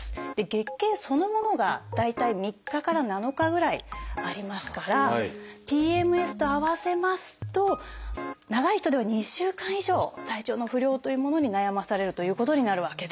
月経そのものが大体３日から７日ぐらいありますからＰＭＳと合わせますと長い人では２週間以上体調の不良というものに悩まされるということになるわけです。